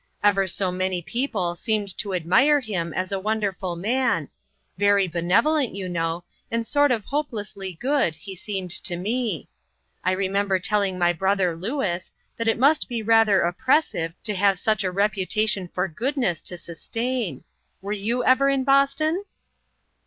Ever so many people seemed to admire him as a wonderful man ; very be nevolent, you know, and sort of hopelessly good, he seemed to me. I remember telling my brother Louis that it must be rather oppressive to have such a reputation for goodness to sustain. Were you ever in Bos ton?"